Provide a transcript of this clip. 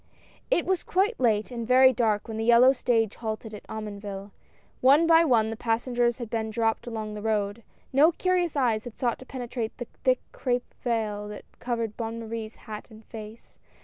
I T was quite late and very dark when the yellow stage halted at Omonville. One by one the pas sengers had been dropped along the road. No curious eyes had sought to penetrate the tliick crape vail that covered Bonne Marie's hat and face.